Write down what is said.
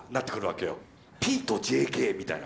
「ＰとＪＫ」みたいな。